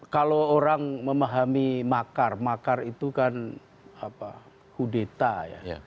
kalau orang memahami makar makar itu kan kudeta ya